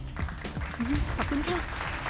ขอบคุณครับ